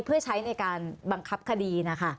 เพื่อใช้ในการบังคับคดีนะคะ